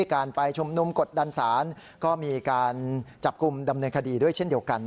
การไปชุมนุมกดดันสารก็มีการจับคุมดำเนินคดีอย่างเดียวกัน